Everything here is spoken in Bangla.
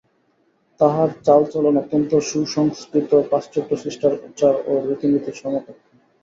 তাঁহার চালচলন অত্যন্ত সুসংস্কৃত পাশ্চাত্য শিষ্টাচার ও রীতিনীতির সমকক্ষ।